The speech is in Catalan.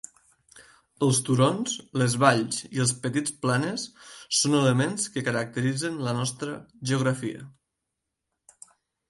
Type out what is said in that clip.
Els turons, les valls i els petits planes són elements que caracteritzen la nostra geografia.